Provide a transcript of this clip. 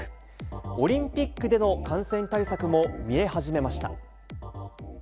オリンピックでの感染対策も見え始めました。